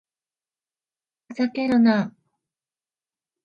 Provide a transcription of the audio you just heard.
ふざけるな